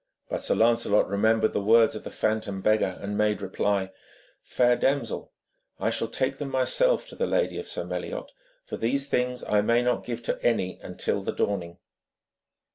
But Sir Lancelot remembered the words of the phantom beggar, and made reply: 'Fair damsel, I shall take them myself to the lady of Sir Meliot, for these things I may not give to any until the dawning.'